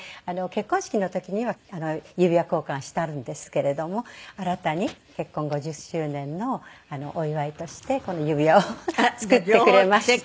結婚式の時には指輪交換したんですけれども新たに結婚５０周年のお祝いとしてこの指輪を作ってくれました。